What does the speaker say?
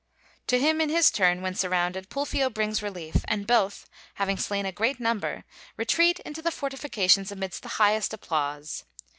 To him in his turn, when surrounded, Pulfio brings relief; and both, having slain a great number, retreat into the fortifications amidst the highest applause.